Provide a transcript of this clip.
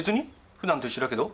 普段と一緒だけど。